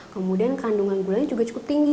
kemudian kandungan gulanya juga cukup tinggi